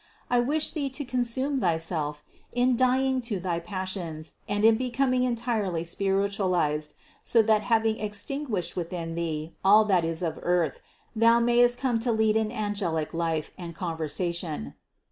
I wish thee to consume thyself in dying to thy passions and in becom ing entirely spiritualized, so that having extinguished within thee all that is of earth, thou mayest come to lead an angelic life and conversation.